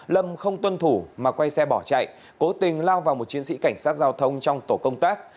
lâm không tuân thủ mà quay xe bỏ chạy cố tình lao vào một chiến sĩ cảnh sát giao thông trong tổ công tác